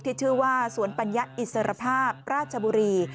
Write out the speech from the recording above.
ที่ชื่อว่าสวนปัญญาอิสรภาพราชบุรี